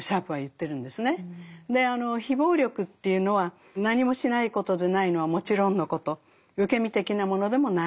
であの非暴力というのは何もしないことでないのはもちろんのこと受け身的なものでもない。